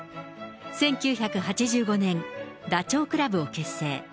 １９８５年、ダチョウ倶楽部を結成。